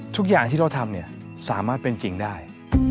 ทุกอย่างที่เราทำเนี่ยสามารถเป็นจริงได้